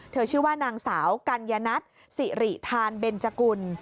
ชื่อว่านางสาวกัญญนัทสิริธานเบนจกุล